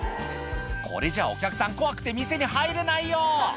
これじゃお客さん怖くて店に入れないよ！